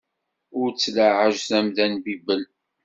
Ur ttlaɛej tamda n bibel.